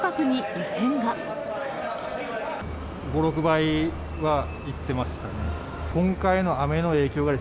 ５、６倍はいってましたね。